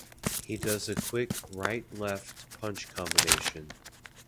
He does a quick right-left punch combination.